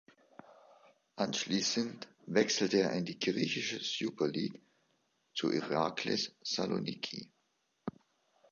Anschließend wechselte er in die griechischen Superleague zu Iraklis Saloniki.